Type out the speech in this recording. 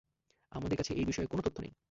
আমাদের কাছে এই বিষয়ে কোনো তথ্য নেই।